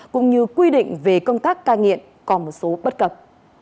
cũng như quy định về công tác cai nghiện còn một số bất cập